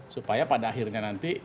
supaya pada akhirnya nanti